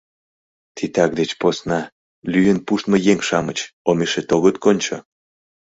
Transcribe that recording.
Титак деч посна лӱен пуштмо еҥ-шамыч омешет огыт кончо?